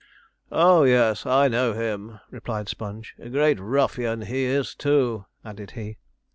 'Oh yes, I know him,' replied Sponge; 'a great ruffian he is, too,' added he.